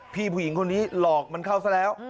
ผู้หญิงคนนี้หลอกมันเข้าซะแล้ว